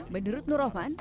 menurut nur rohman